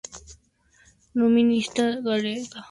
Numismática galega.